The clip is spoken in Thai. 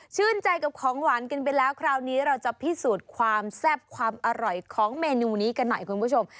ใจกับของหวานกันไปแล้วคราวนี้เราจะพิสูจน์ความแซ่บความอร่อยของเมนูนี้กันหน่อยคุณผู้ชม